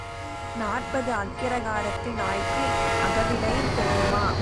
நாற்பது அக்கிரகாரத்து நாய்க்கு அகவிலை தெரியுமா?